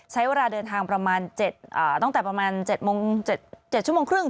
ใช้เวลาเดินทางพื้นจากตั้งแต่๗ชั่วโมงครึ่ง